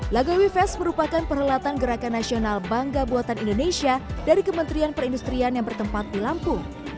lagawi fest merupakan perhelatan gerakan nasional bangga buatan indonesia dari kementerian perindustrian yang bertempat di lampung